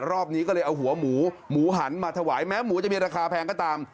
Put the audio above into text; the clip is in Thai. รอบนี้ก็เลยเอาหัวหมูหมูหันมาถวายแม้หมูจะมีราคาแพงก็ตาม